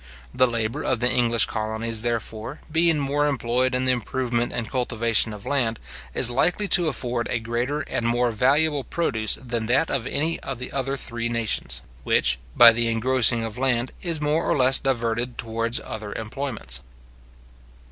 The labour of the English colonies, therefore, being more employed in the improvement and cultivation of land, is likely to afford a greater and more valuable produce than that of any of the other three nations, which, by the engrossing of land, is more or less diverted towards other employments.